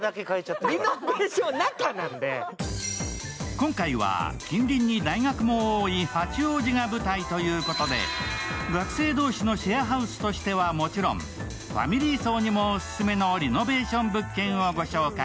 今回は近隣に大学も多い八王子が舞台ということで、学生同士のシェアハウスとはしてもちろんファミリー層にもオススメのリノベーション物件をご紹介。